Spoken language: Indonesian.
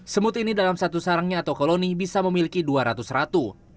semut ini dalam satu sarangnya atau koloni bisa memiliki dua ratus ratu